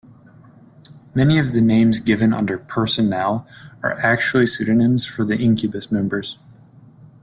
Many of the names given under 'Personnel' are actually pseudonyms for the Incubus members.